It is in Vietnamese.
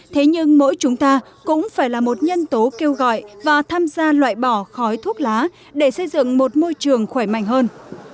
thế nhưng mỗi chúng ta cũng phải là một nhân tố kêu gọi và tham gia loại bỏ khói thuốc lá để xây dựng một môi trường khỏe mạnh hơn